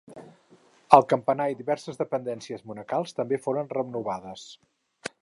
El campanar i diverses dependències monacals també foren renovades.